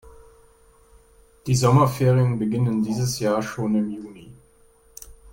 Die Sommerferien beginnen dieses Jahr schon im Juni.